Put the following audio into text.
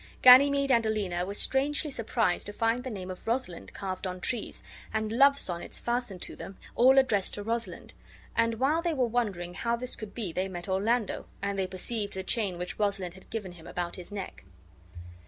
Ganymede and Aliena were strangely surprised to find the name of Rosalind carved on the trees, and love sonnets fastened to them, all addressed to Rosalind; and while they were wondering how this could be they met Orlando and they perceived the chain which Rosalind had given him about his neck.